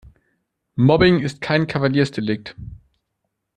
Mobbing ist kein Kavaliersdelikt.